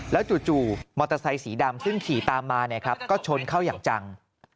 แล้วจู่มอเตอร์ไซค์สีดำซึ่งขี่ตามมานะครับก็ชนเข้าอย่างจัง